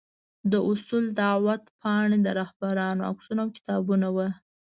د اصول دعوت پاڼې، د رهبرانو عکسونه او کتابونه وو.